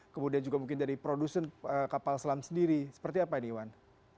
atau mungkin juga dari produsen kapal selam sendiri seperti apa ini iwan